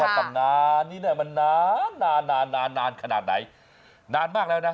ตำนานนี้เนี่ยมันนานนานขนาดไหนนานมากแล้วนะ